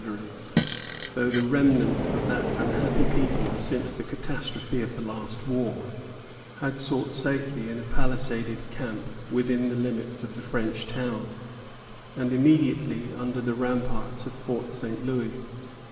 more of the Hurons into slaveiy, — though the remnant of that unhappy people, since the catastrophe of the last year, had sought safety in a palisaded camp within the limits of the French town, and immediately under the ramparts of Fort St. Louis.